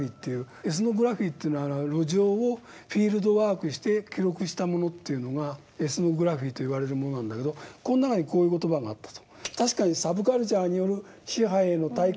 エスノグラフィというのは路上をフィールドワークして記録したものというのがエスノグラフィと言われるものなんだけどこの中にこういう言葉があったと。